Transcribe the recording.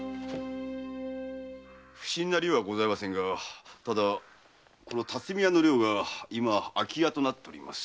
不振な寮はございませんがただこの辰巳屋の寮が今空き家となっております。